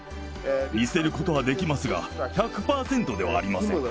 似せることはできますが、１００％ではありません。